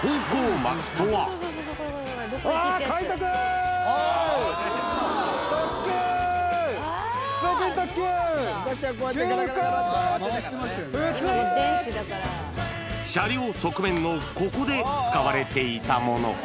うわー、快特、特急、車両側面のここで使われていたもの。